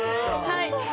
はい。